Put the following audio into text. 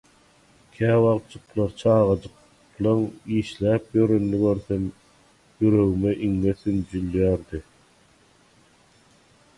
Käwagtjyklar çagajyklaň işläp ýörenini görsem ýüregime iňňe sünjülýärdi.